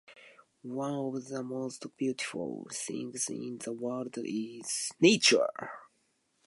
One of the most beautiful things in the world is nature.